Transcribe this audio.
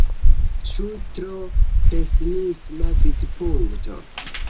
Ĉu tro pesimisma vidpunkto?